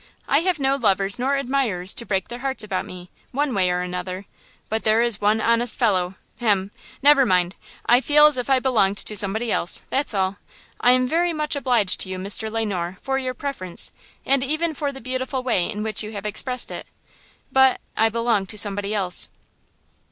I have no lovers nor admirers to break their hearts about me, one way or another; but there is one honest fellow–hem! Never mind; I feel as if I belonged to somebody else; that's all. I am very much obliged to you, Mr. Le Noir, for your preference, and even for the beautiful way in which you have expressed it, but–I belong to somebody else."